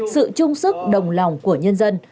sự trung sức đồng lòng của nhân dân